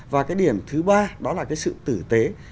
và cái điểm thứ ba đó là cái sự tử tế